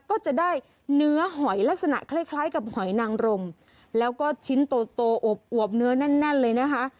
ก็จะได้เนื้อหอยลักษณะคล้ายคล้ายกับหอยนางรมแล้วก็ชิ้นโตอบเนื้อแน่นเลยนะคะ